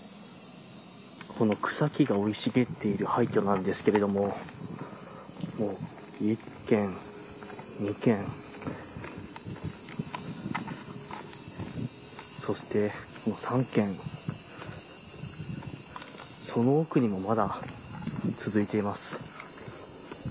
草木が生い茂っている廃墟なんですが１軒、２軒そして、３軒その奥にも、まだ続いています。